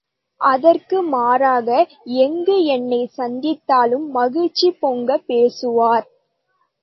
அதற்கு மாறாக எங்கு என்னைச் சந்தித்தாலும் மகிழ்ச்சி பொங்கப் பேசுவார்.